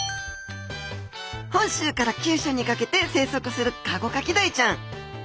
本州から九州にかけて生息するカゴカキダイちゃん。